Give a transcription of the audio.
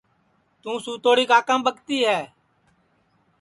توں سُتوڑی کاکام ٻکتی ہے